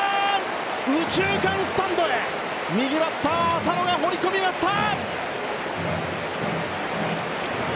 右中間スタンドへ右バッター浅野が放り込みました！